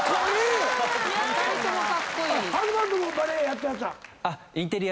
ハズバンドもバレエやってはったん？